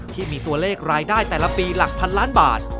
ที่มีตัวเลขรายได้แต่ละปีหลักพันล้านบาท